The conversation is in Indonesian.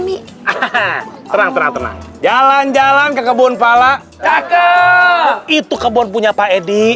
nih hahaha tenang tenang jalan jalan ke kebun pala kakek itu kebun punya pak edi